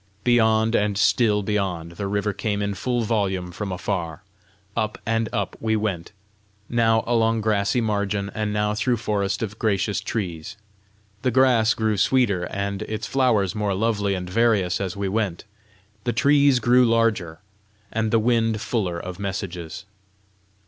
Beyond and still beyond, the river came in full volume from afar. Up and up we went, now along grassy margin, and now through forest of gracious trees. The grass grew sweeter and its flowers more lovely and various as we went; the trees grew larger, and the wind fuller of messages.